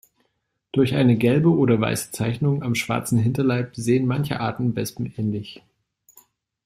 Durch eine gelbe oder weiße Zeichnung am schwarzen Hinterleib sehen manche Arten Wespen ähnlich.